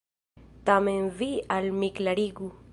Tamen vi al mi klarigu!